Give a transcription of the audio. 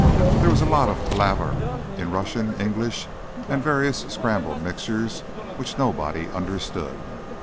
There was a lot of palaver, in Russian, English and various scrambled mixtures which nobody understood.